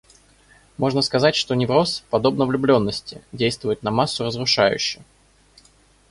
Можно сказать, что невроз, подобно влюбленности, действует на массу разрушающе.